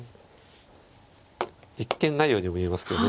一見ないように見えますけど。